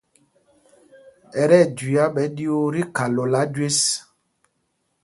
Ɛ tí ɛjüiá ɓɛ ɗyuu tí khalola jüés.